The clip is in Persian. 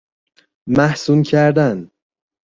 محصون کردن